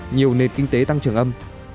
nhiều nền kinh tế tăng trưởng âm